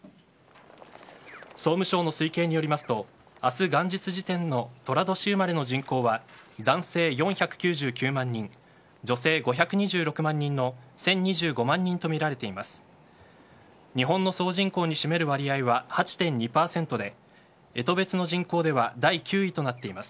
総務省の推計によりますと明日、元日時点の寅年生まれの人口は男性４９９万人女性５２６万人の１０２５万人とみられています。